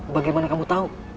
bagaimana kamu tahu